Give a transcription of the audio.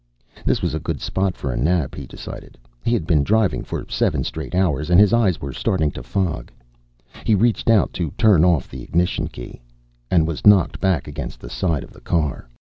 This was a good spot for a nap, he decided. He had been driving for seven straight hours and his eyes were starting to fog. He reached out to turn off the ignition key And was knocked back against the side of the car.